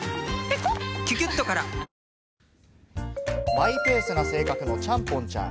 マイペースな性格のちゃんぽんちゃん。